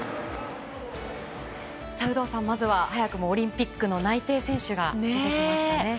有働さん、まずは早くもオリンピックの内定選手が出てきましたね。